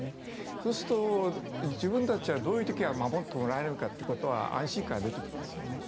そうすると自分たちはどういう時は守ってもらえるのかという安心感が出てきますよね。